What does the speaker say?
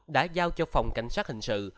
đã giao cho phòng cảnh sát hình sự